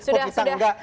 kok kita tidak